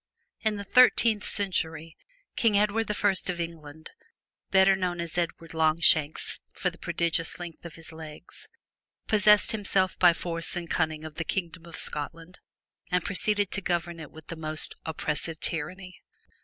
In the thirteenth century, King Edward I of England, better known as Edward Longshanks from the prodigious length of his legs, possessed himself by force and cunning of the Kingdom of Scotland and proceeded to govern it with the most oppressive tyranny.